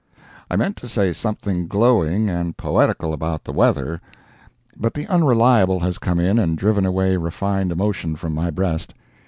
I meant to say something glowing and poetical about the weather, but the Unreliable has come in and driven away refined emotion from my breast.